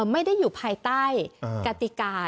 ไม่ได้อยู่ภายใต้กติกา